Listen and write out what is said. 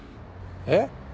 えっ？